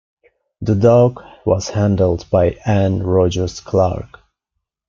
The dog was handled by Anne Rogers Clark.